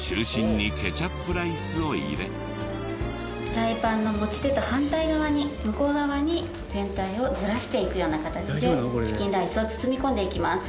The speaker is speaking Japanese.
フライパンの持ち手と反対側に向こう側に全体をずらしていくような形でチキンライスを包み込んでいきます。